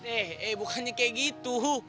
eh bukannya kayak gitu